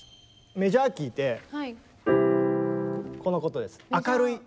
メジャー・キーってこのことです。